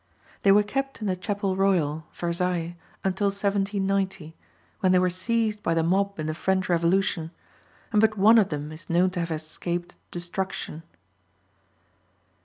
They were kept in the Chapel Royal, Versailles, until 1790, when they were seized by the mob in the French Revolution, and but one of them is known to have escaped destruction.